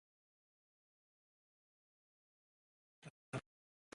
à gbabá ya